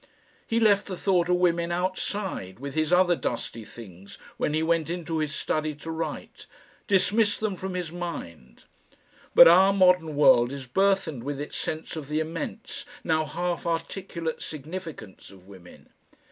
He left the thought of women outside with his other dusty things when he went into his study to write, dismissed them from his mind. But our modern world is burthened with its sense of the immense, now half articulate, significance of women.